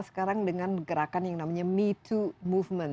sekarang dengan gerakan yang namanya me to movement